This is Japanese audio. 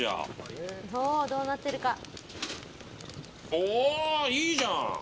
おお、いいじゃん！